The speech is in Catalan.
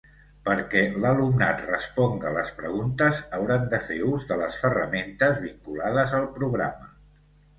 Perquè l'alumnat responga les preguntes hauran de fer ús de les ferramentes vinculades al programa.